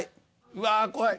うわ怖い。